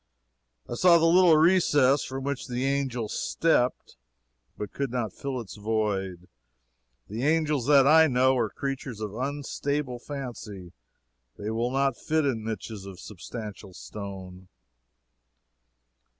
I saw the little recess from which the angel stepped, but could not fill its void. The angels that I know are creatures of unstable fancy they will not fit in niches of substantial stone.